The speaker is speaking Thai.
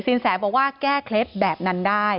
แสบอกว่าแก้เคล็ดแบบนั้นได้